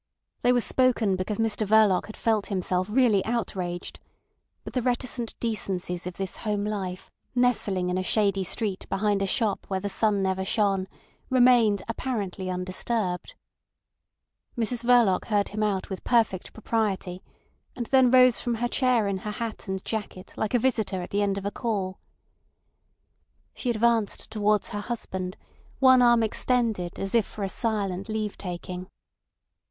They were spoken because Mr Verloc had felt himself really outraged; but the reticent decencies of this home life, nestling in a shady street behind a shop where the sun never shone, remained apparently undisturbed. Mrs Verloc heard him out with perfect propriety, and then rose from her chair in her hat and jacket like a visitor at the end of a call. She advanced towards her husband, one arm extended as if for a silent leave taking.